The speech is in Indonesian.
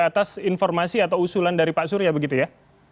atas informasi atau usulan dari pak surya begitu ya